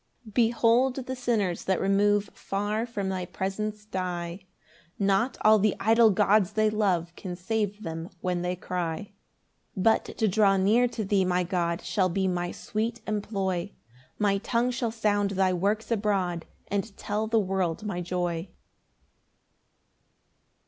5 Behold the sinners that remove Far from thy presence die; Not all the idol gods they love Can save them when they cry. 6 But to draw near to thee, my God, Shall be my sweet employ; My tongue shall sound thy works abroad, And tell the world my joy.